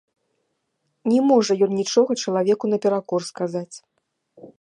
Не можа ён нічога чалавеку наперакор сказаць.